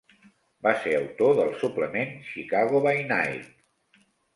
Va ser autor del suplement "Chicago by Night".